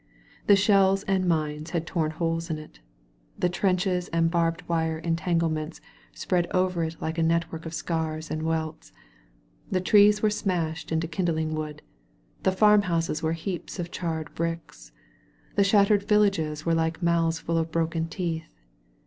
The shells and mines had torn holes in it; the trenches and barbed wire entangle 70 THE KING'S HIGH WAY ments spread over it like a network of sears and welts; the trees were smashed into kindling wood; the farmhouses were heaps of charred bricks; the shattered villages were like mouths full of broken teeth.